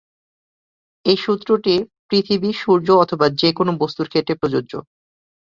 এই সূত্রটি পৃথিবী, সূর্য অথবা যেকোনো বস্তুর ক্ষেত্রে প্রযোজ্য।